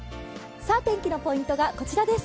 天気のポイントがこちらです。